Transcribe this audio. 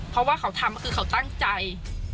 เพราะว่าเขาทำคือเขาตั้งใจ